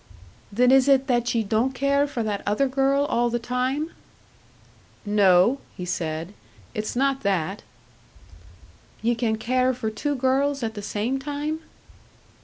"Then is it that ye don't care for that other girl all the time?" "No," he said, "it's not that." "Ye can care for two girls at the same time?"